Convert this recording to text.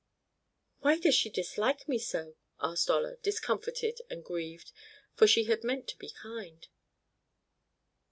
"Why does she dislike me so?" asked Olla, discomfited and grieved, for she had meant to be kind.